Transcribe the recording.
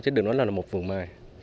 chứ đừng nói là một vườn mai